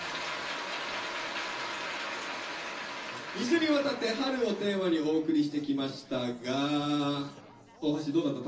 ２週にわたって「春」をテーマにお送りしてきましたが大橋どうだった？